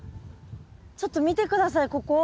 ちょっと見て下さいここ。